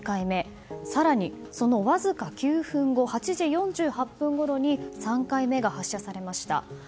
更に、そのわずか９分後８時４８分ごろに３回目が発射されました。